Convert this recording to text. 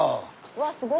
わっすごい。